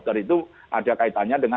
dari putusan saya terima